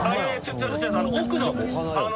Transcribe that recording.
奥の。